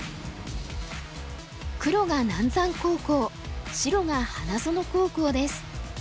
黒が南山高校白が花園高校です。